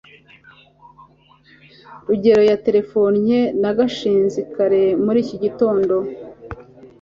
rugeyo yaterefonnye na gashinzi kare muri iki gitondo